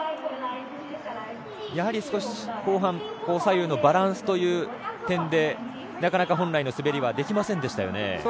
やはり少し後半、左右のバランスという点でなかなか本来の滑りはできませんでしたね。